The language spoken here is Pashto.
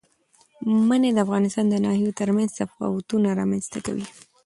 منی د افغانستان د ناحیو ترمنځ تفاوتونه رامنځ ته کوي.